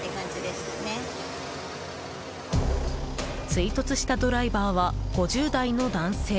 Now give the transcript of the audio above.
追突したドライバーは５０代の男性。